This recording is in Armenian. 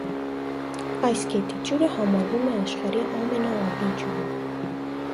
Այս գետի ջուրը համարվում է աշխարհի ամենաաղի ջուրը։